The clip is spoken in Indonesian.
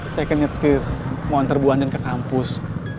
saya ke nyetir mau antar bu anden ke kampus